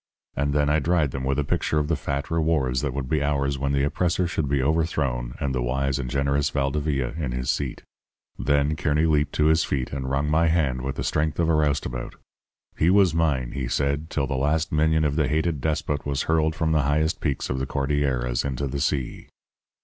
And then I dried them with a picture of the fat rewards that would be ours when the oppressor should be overthrown and the wise and generous Valdevia in his seat. Then Kearny leaped to his feet and wrung my hand with the strength of a roustabout. He was mine, he said, till the last minion of the hated despot was hurled from the highest peaks of the Cordilleras into the sea.